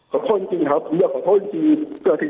ขอโทษจริงจริงครับผมอยากขอโทษจริงจริง